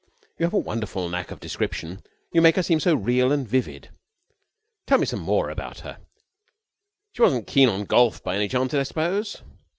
You have a wonderful knack of description. You make her seem so real and vivid. Tell me some more about her. She wasn't keen on golf, by any chance, I suppose?"